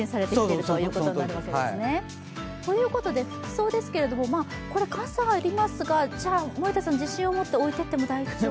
ということで服装ですけれども傘はありますが自信を持って置いていっても大丈夫？